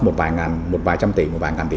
một vài trăm tỷ một vài ngàn tỷ